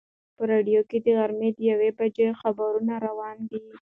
په راډیو کې د غرمې د یوې بجې خبرونه روان دي.